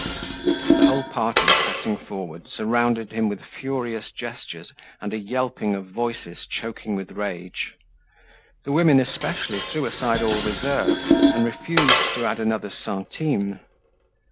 The whole party, pressing forward, surrounded him with furious gestures and a yelping of voices choking with rage. The women especially threw aside all reserve, and refused to add another centime.